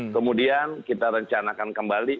kemudian kita rencanakan kembali